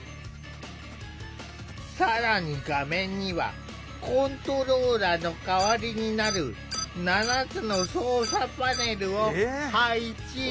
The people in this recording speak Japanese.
更に画面にはコントローラーの代わりになる７つの操作パネルを配置。